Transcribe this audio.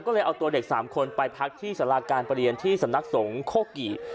ก็เลยเอาตัวเด็ก๓คนไปพักที่สาราการประเรียนที่สำนักสงฆ์โคกิ